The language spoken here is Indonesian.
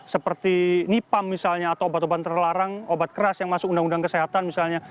seperti nipam misalnya atau obat obat terlarang obat keras yang masuk undang undang kesehatan misalnya